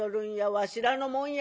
わしらのもんや」。